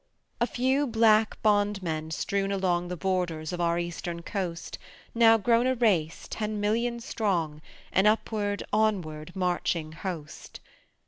A few black bondmen strewn along The borders of our eastern coast, Now grown a race, ten million strong, An upward, onward marching host.